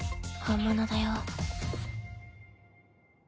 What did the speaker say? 本物だよ。